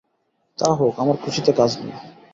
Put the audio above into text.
তা হোক, আমার খুশিতে কাজ নেই।